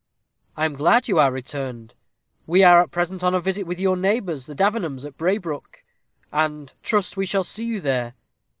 "I am glad you are returned. We are at present on a visit with your neighbors, the Davenhams, at Braybrook, and trust we shall see you there."